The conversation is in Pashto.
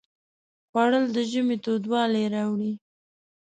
خوړل د ژمي تودوالی راوړي